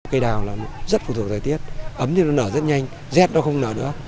cây đào rất phụ thuộc thời tiết ấm thì nó nở rất nhanh rét thì nó không nở nữa